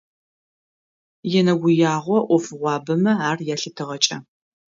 Енэгуягъо ӏофыгъуабэмэ ар ялъытыгъэкӏэ.